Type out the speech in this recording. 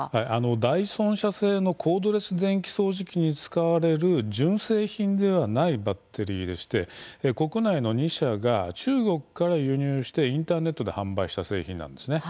ダイソン社製のコードレス電気掃除機に使われる純正品ではないバッテリーでして国内の２社が中国から輸入してインターネットで販売した製品です。